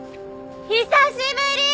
久しぶり！